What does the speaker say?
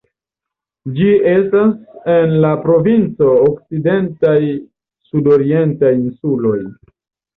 Ĝi estas en la provinco Okcidentaj sudorientaj insuloj.